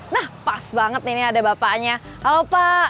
nah pas banget nih ada bapaknya halo pak